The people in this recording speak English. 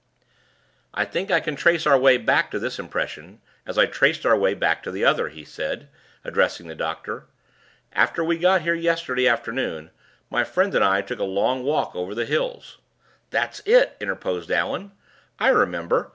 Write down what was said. "I think I can trace our way back to this impression, as I traced our way back to the other," he said, addressing the doctor. "After we got here yesterday afternoon, my friend and I took a long walk over the hills " "That's it!" interposed Allan. "I remember.